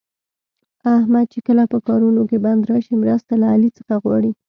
احمد چې کله په کارونو کې بند راشي، مرسته له علي څخه غواړي.